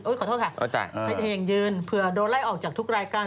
ขอโทษค่ะให้ตัวเองยืนเผื่อโดนไล่ออกจากทุกรายการ